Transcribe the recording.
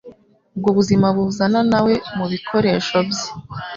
Ubwo Buzima buzana nawe mubikoresho bye;